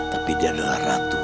tapi dia adalah ratu